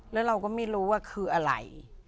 แล้วเราก็ไม่รู้ว่าคืออะไร